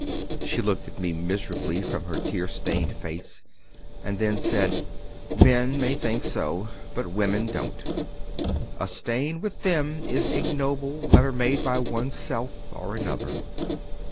She looked at me miserably from her tear stained face, and then said, 'Men may think so, but women don't; a stain with them is ignoble whether made by one's self or another.